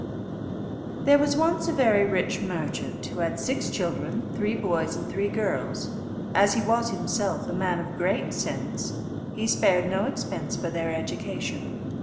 There was once a very rich merchant, who had six children, three boys and three girls. As he was himself a man of great sense, he spared no expense for their education.